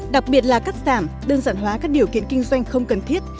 đặc biệt là cắt giảm đơn giản hóa các điều kiện kinh doanh không cần thiết